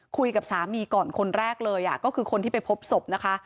คุยกับสามีก่อนคนแรกเลยก็คือคนที่ไปพบศพนะคะ